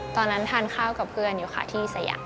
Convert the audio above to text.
ตอนนั้นทานข้าวกับเพื่อนอยู่ค่ะที่สยาม